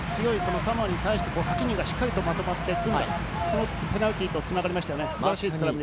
一人一人強いサモアに対して、８人がしっかりまとまって、ペナルティーにつながりましたね。